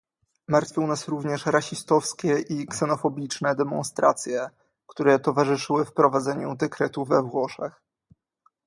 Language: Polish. Martwią nas również rasistowskie i ksenofobiczne demonstracje, które towarzyszyły wprowadzeniu dekretu we Włoszech